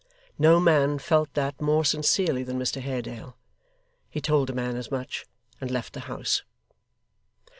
No man felt that more sincerely than Mr Haredale. He told the man as much, and left the house.